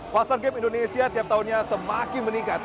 pasar game indonesia tiap tahunnya semakin meningkat